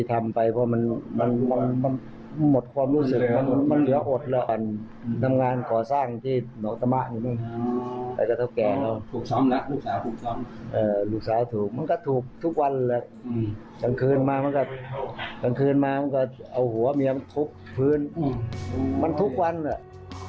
ทั้งคืนมามันก็เอาหัวเมียมันถูกพื้นมันทุกวันแหละ